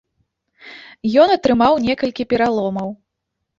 Ён атрымаў некалькі пераломаў.